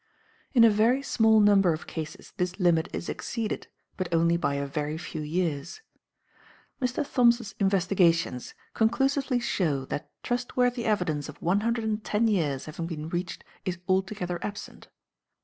In a very small number of cases this limit is exceeded, but only by a very few years. Mr. Thoms's investigations conclusively show that trustworthy evidence of one hundred and ten years having been reached is altogether absent.